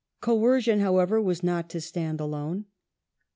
Coercion, however, was not to stand alone.